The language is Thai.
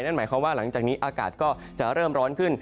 นั่นหมายความว่าหลังจากนี้อากาศก็จะเริ่มร้อนขึ้น